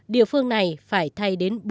địa phương này phải thay đến